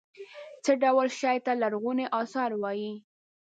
څه ډول شي ته لرغوني اثار وايي.